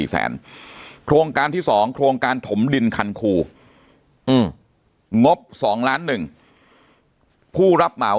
โครงการที่๒โครงการถมดินคันคูงบ๒ล้าน๑ผู้รับเหมา